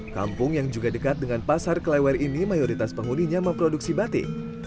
kampung yang juga dekat dengan pasar kelewer ini mayoritas penghuninya memproduksi batik